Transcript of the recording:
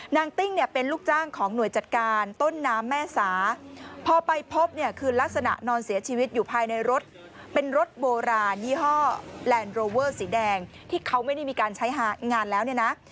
ติ้งเนี่ยเป็นลูกจ้างของหน่วยจัดการต้นน้ำแม่สาพอไปพบเนี่ยคือลักษณะนอนเสียชีวิตอยู่ภายในรถเป็นรถโบราณยี่ห้อแลนด์โรเวอร์สีแดงที่เขาไม่ได้มีการใช้หางานแล้วเนี่ยนะ